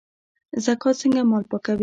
زکات څنګه مال پاکوي؟